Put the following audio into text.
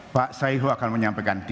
pak saeho akan menyampaikan